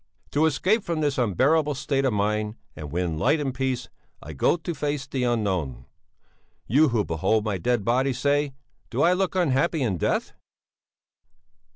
"'To escape from this unbearable state of mind, and win light and peace, I go to face the Unknown. You who behold my dead body, say do I look unhappy in death?"